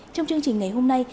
trong chương trình ngày hôm nay